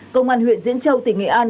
công an huyện diễn châu tỉnh nghệ an